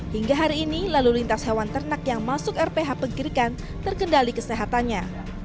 hingga hari ini lalu lintas hewan ternak yang masuk rph pegirikan terkendali kesehatannya